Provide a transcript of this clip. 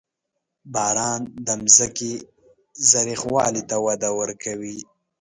• باران د ځمکې زرخېوالي ته وده ورکوي.